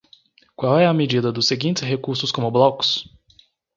Qual é a medida dos seguintes recursos como blocos?